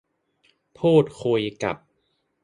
พูดคุยกับ